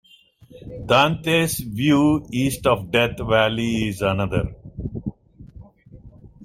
Dante's View east of Death Valley is another.